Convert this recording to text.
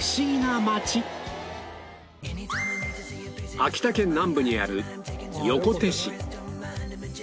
秋田県南部にある横手市